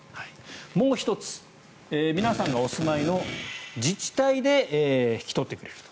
もう１つ、皆さんがお住まいの自治体で引き取ってくれると。